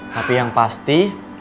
tapi yang pasti